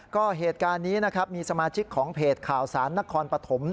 ก็เหตุการณ์นี้นะครับมีสมาชิกของเพจข่าวสารนครปฐม